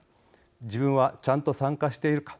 自分はちゃんと参加しているか。